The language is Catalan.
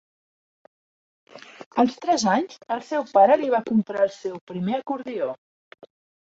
Als tres anys, el seu pare li va comprar el seu primer acordió.